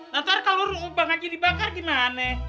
ntar kalau lu ubah lagi dibakar gimana